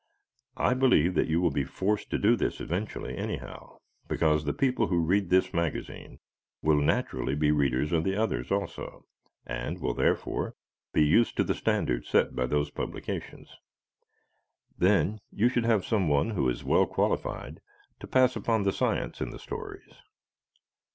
I believe that you will be forced to do this eventually, anyhow, because the people who read this magazine will naturally be readers of the others also, and will therefore, be used to the standards set by those publications. Then, you should have someone who is well qualified to pass upon the science in the stories.